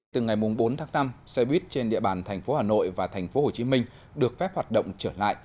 từ ngày bốn tháng năm xe buýt trên địa bàn thành phố hà nội và thành phố hồ chí minh được phép hoạt động trở lại